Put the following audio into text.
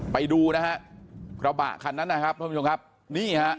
ไปดูนะฮะกระบะคันนั้นนะครับท่านผู้ชมครับนี่ฮะ